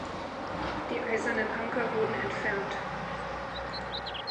Die eisernen Anker wurden entfernt.